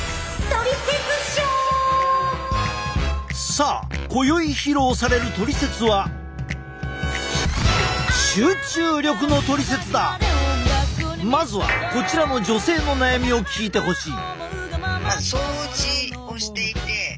さあ今宵披露されるトリセツはまずはこちらの女性の悩みを聞いてほしい。